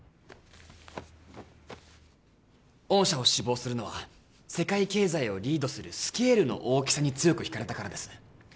御社を志望するのは世界経済をリードするスケールの大きさに強く引かれたからです